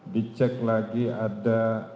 dicek lagi ada